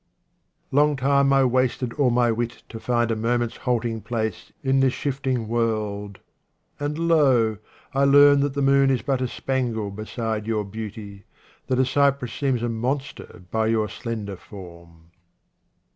Long time I wasted all my wit to find a moment's halting place in this shifting world, and lo ! I learn that the moon is but a spangle beside your beauty, that the cypress seems a monster by your slender form.